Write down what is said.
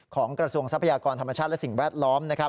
ของกระทรวงทรัพยากรธรรมชาติและสิ่งแวดล้อม